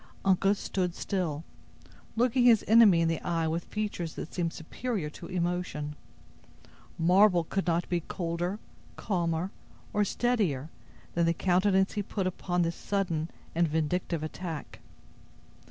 Uncas stood still, looking his enemy in the eye with features that seemed superior to emotion. Marble could not be colder, calmer, or steadier than the countenance he put upon this sudden and vindictive attack.